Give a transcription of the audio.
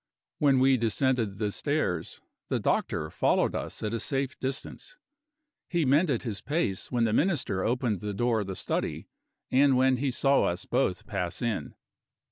When we descended the stairs, the doctor followed us at a safe distance. He mended his pace when the Minister opened the door of the study, and when he saw us both pass in.